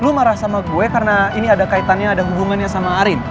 lu marah sama gue karena ini ada kaitannya ada hubungannya sama arin